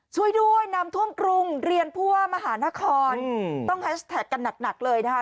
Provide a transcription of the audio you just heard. ช่วยด้วยนำท่วมกรุงเรียนผู้ว่ามหานครต้องแฮชแท็กกันหนักเลยนะคะ